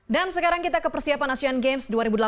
dan sekarang kita ke persiapan asean games dua ribu delapan belas